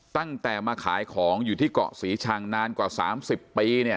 ตั้งแต่มาขายของอยู่ที่เกาะศรีชังนานกว่า๓๐ปีเนี่ย